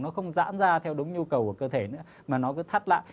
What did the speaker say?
nó không giãn ra theo đúng nhu cầu của cơ thể nữa mà nó cứ thắt lại